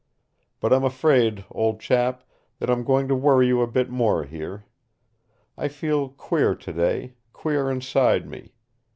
But I'm afraid, old chap, that I'm going to worry you a bit more here. I feel queer today, queer inside me.